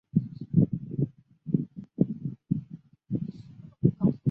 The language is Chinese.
匍匐狸藻为狸藻属食虫植物。